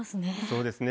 そうですね。